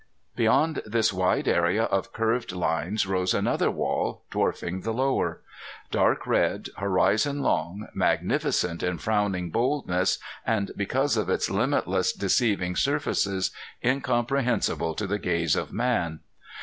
Beyond this wide area of curved lines rose another wall, dwarfing the lower; dark red, horizon long, magnificent in frowning boldness, and because of its limitless deceiving surfaces incomprehensible to the gaze of man.